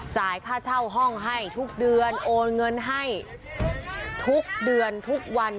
จ่ายค่าเช่าห้องให้ทุกเดือนโอนเงินให้ทุกเดือนทุกวัน